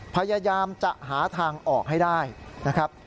พยายามจะหาทางออกให้ได้นะครับ